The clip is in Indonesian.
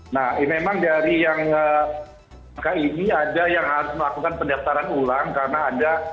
nah memang dari yang angka ini ada yang harus melakukan pendaftaran ulang karena ada